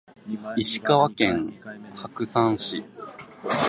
石川県白山市